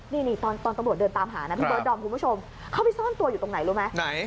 นี่ตอนตำรวจเดินตามหานะพี่บอสดอมคุณผู้ชมเขาไปซ่อนตัวอยู่ตรงไหนรู้ไหม